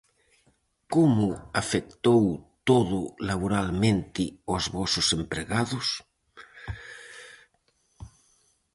Como afectou todo laboralmente aos vosos empregados?